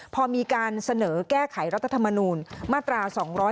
พอมีการเสนอแก้ไขรัฐธรรมนูลมาตรา๒๗